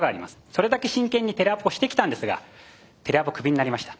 それだけ真剣にテレアポしてきたんですがテレアポくびになりました。